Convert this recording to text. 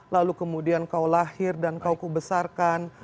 lalu kemudian kau lahir dan kau kubesarkan